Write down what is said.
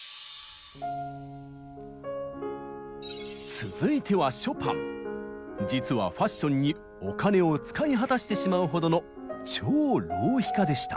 続いては実はファッションにお金を使い果たしてしまうほどの超浪費家でした。